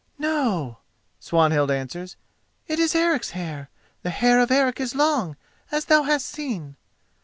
"No," Swanhild answers, "it is Eric's hair. The hair of Eric is long, as thou hast seen."